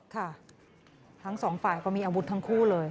ค่ะทั้งสองฝ่ายก็มีอาวุธทั้งคู่เลย